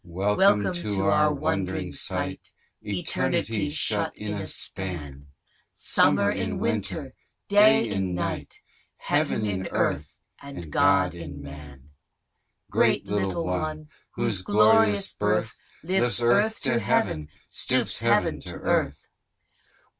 Chorus. Welcome to our wond'ring sight Eternity shut in a span! Summer in winter! Day in night! Heaven in Earth! and God in Man! Great little one, whose glorious birth, Lifts Earth to Heaven, stoops heaven to earth.